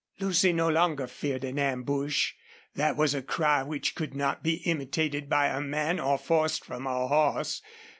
Lucy no longer feared an ambush. That was a cry which could not be imitated by a man or forced from a horse.